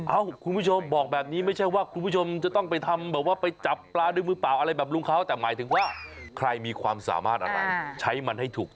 เอ้าคุณผู้ชมบอกแบบนี้ไม่ใช่ว่าคุณผู้ชม